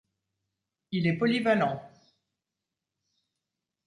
Il est polyvalent.